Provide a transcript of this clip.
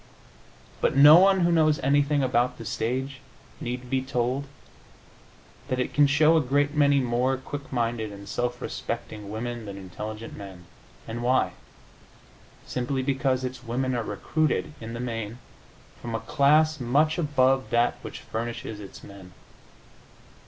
But no one who knows anything about the stage need be told that it can show a great many more quick minded and self respecting women than intelligent men. And why? Simply because its women are recruited, in the main, from a class much above that which furnishes its men.